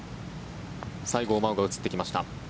西郷真央が映ってきました。